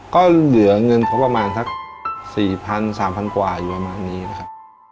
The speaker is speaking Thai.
ก็เหลือเงินเขาประมาณสักสี่พันสามพันกว่าอยู่ประมาณนี้เลยค่ะ